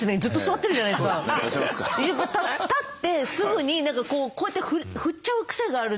立ってすぐにこうやって振っちゃう癖があるんですよね。